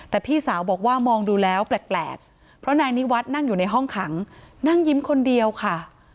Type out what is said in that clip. แต่พี่สาวบอกว่ามองดูแล้วแปลกเพราะนายนิวัฒน์นั่งอยู่ในห้องขังนั่งยิ้มคนเดียวค่ะ